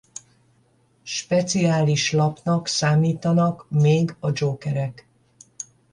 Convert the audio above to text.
Speciális lapnak számítanak még a Jokerek.